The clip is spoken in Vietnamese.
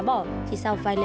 bởi vì kiểu nhờ thôi mà